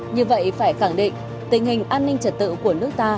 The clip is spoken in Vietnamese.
như vậy phải khẳng định tình hình an ninh trật tự của nước ta